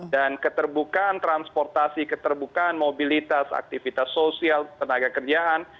dan keterbukaan transportasi keterbukaan mobilitas aktivitas sosial tenaga kerjaan